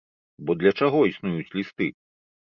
Бо для чаго існуюць лісты?